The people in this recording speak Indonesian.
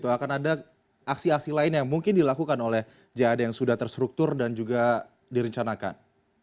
akan ada aksi aksi lain yang mungkin dilakukan oleh jad yang sudah terstruktur dan juga direncanakan